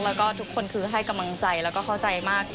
แล้วก็ทุกคนคือให้กำลังใจแล้วก็เข้าใจมาก